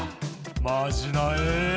マジなえ。